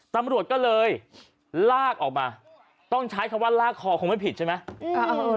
ตำรวจก็เลยลากออกมาต้องใช้คำว่าลากคอคงไม่ผิดใช่ไหม